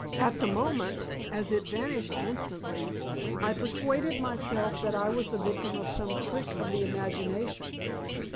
At the moment, as it vanished instantly, I persuaded myself that I was the victim of some trick of the imagination.